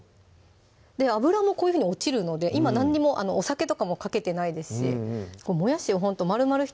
脂もこういうふうに落ちるので今何にもお酒とかもかけてないですしもやしをほんとまるまる１